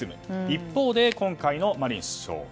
一方で今回のマリン首相。